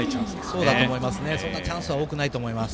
そんなチャンスは多くないと思います。